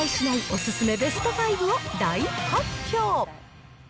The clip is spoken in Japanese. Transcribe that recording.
お勧めベスト５を大発表。